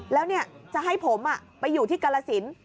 แล้วจะให้ผมไปอยู่ที่กรสิน